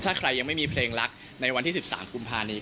ถ้าใครยังไม่มีเพลงรักในวันที่๑๓กุมภานี้